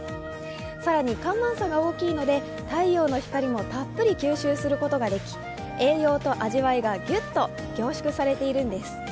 更に干満差が大きいので太陽の光もたっぷり吸収することができ栄養と味わいがギュッと凝縮されているんです。